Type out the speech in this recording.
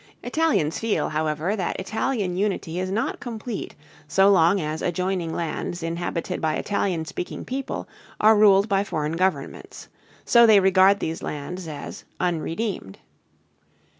Italians feel, however, that Italian unity is not complete so long as adjoining lands inhabited by Italian speaking people are ruled by foreign governments. So they regard these lands as "unredeemed."